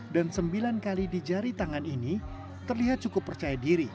dan sembilan kali di jari tangan ini terlihat cukup percaya diri